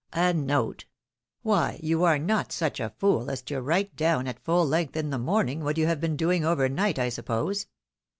" A note ! Why you are not such a fool as to write down at fuU length in the moriung, what you have been doing over night, I suppose